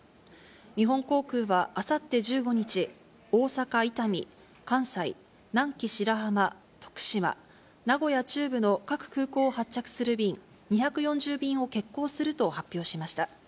日本航空はあさって１５日、大阪伊丹、関西、南紀白浜、徳島、名古屋中部の各空港を発着する便２４０便を欠航すると発表しました。